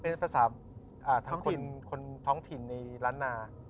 เป็นภาษาท่องถิ่นในหลันนา